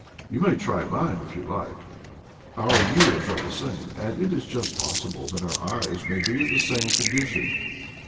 You may try mine if you like ; our years are the same, and it is just possible that our eyes may be in the same condition."